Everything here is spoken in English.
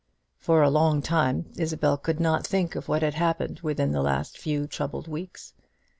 For a long time Isabel could not think of what had happened within the last few troubled weeks.